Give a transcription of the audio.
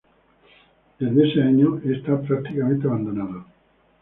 Desde ese año está prácticamente abandonado.